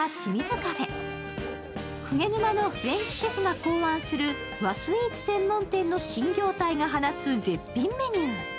ＫＵＧＥＮＵＭＡのフレンチシェフが考案する和スイーツ専門店の新業態が放つ絶品メニュー。